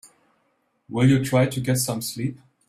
Will you try to get some sleep?